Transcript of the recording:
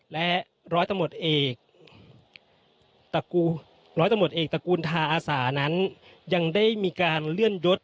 และร้อยตำรวจเอกตระกูลทาอาสานั้นยังได้มีการเลื่อนยด